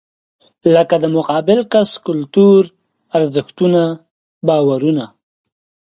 لکه د مقابل کس کلتور، ارزښتونه، باورونه .